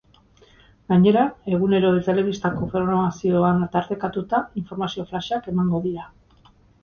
Gainera, egunero telebistako programazioan tartekatuta informazio flash-ak emango dira.